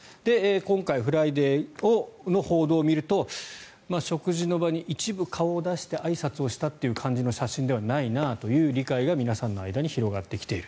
今回「ＦＲＩＤＡＹ」の報道を見ると食事の場に一部顔を出してあいさつをしたという感じの写真ではないなという理解が皆さんの間に広がってきている。